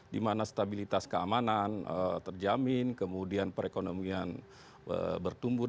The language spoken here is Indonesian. dimana stabilitas keamanan terjamin kemudian perekonomian bertumbuh